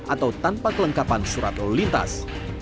atau tanpa kelengkapan surat lalu lintas